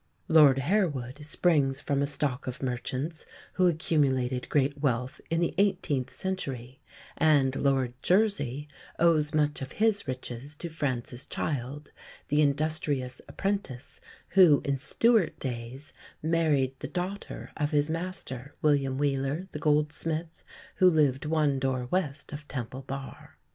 Lord Harewood springs from a stock of merchants who accumulated great wealth in the eighteenth century; and Lord Jersey owes much of his riches to Francis Child, the industrious apprentice who, in Stuart days, married the daughter of his master, William Wheeler, the goldsmith, who lived one door west of Temple Bar.